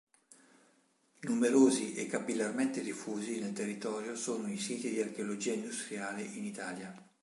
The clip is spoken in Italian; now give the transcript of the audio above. Numerosi e capillarmente diffusi nel territorio sono i siti di archeologia industriale in Italia.